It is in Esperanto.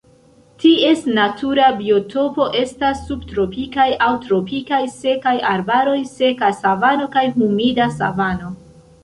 Ties natura biotopo estas subtropikaj aŭ tropikaj sekaj arbaroj, seka savano kaj humida savano.